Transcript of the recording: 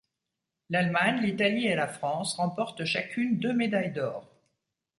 L'Allemagne, l'Italie et la France remportent chacune deux médailles d'or.